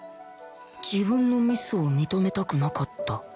自分のミスを認めたくなかった